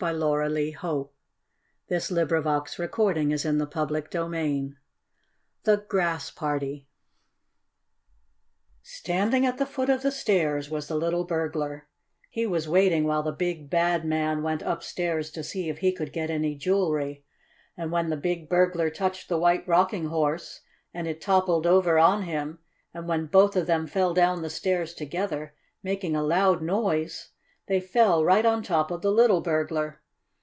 "Bang! Bing! Bung!" was the noise they made. CHAPTER X THE GRASS PARTY Standing at the foot of the stairs was the little burglar. He was waiting while the big, bad man went upstairs to see if he could get any jewelry. And when the big burglar touched the White Rocking Horse, and it toppled over on him, and when both of them fell down the stairs together, making a loud noise, they fell right on top of the little burglar.